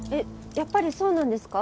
やっぱりそうなんですか？